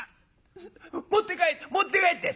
持って帰って持って帰って！」。